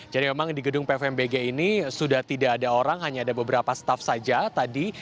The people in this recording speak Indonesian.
jadi memang di gedung pfmbg ini sudah tidak ada orang hanya ada beberapa staff saja tadi